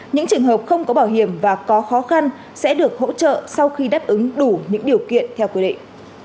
những trường hợp không có bảo hiểm và có khó khăn sẽ được hỗ trợ sau khi đáp ứng đủ những điều kiện theo quy định